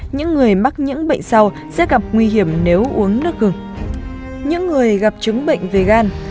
những người gặp chứng bệnh về gan